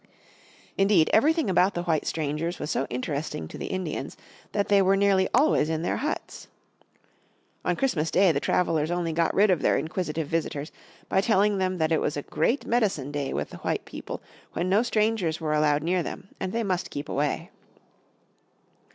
Indeed everything about the white strangers was so interesting to the Indians that they were nearly always in their huts. On Christmas Day the travelers only got rid of their inquisitive visitors by telling them that it was a great medicine day with the white people, when no strangers were allowed near them, and they must keep away.